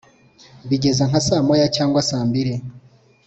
bigeze nka saa moya cyangwa saa mbiri